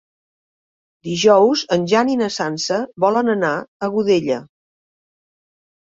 Dijous en Jan i na Sança volen anar a Godella.